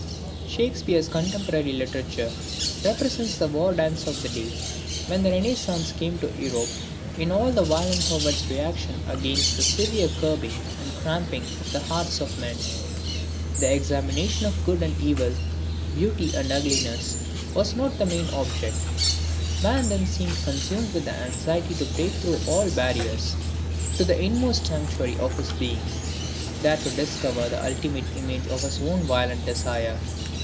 Shakespeare's contemporary literature represents the war dance of the day when the Renascence came to Europe in all the violence of its reaction against the severe curbing and cramping of the hearts of men. The examination of good and evil, beauty and ugliness, was not the main object, man then seemed consumed with the anxiety to break through all barriers to the inmost sanctuary of his being, there to discover the ultimate image of his own violent desire.